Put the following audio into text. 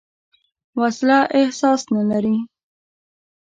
وسله احساس نه لري